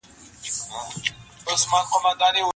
که اوبه نه وي هیڅ ژوندی موجود نشي پاتې کېدای.